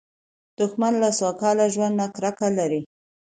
دښمن له سوکاله ژوند نه کرکه لري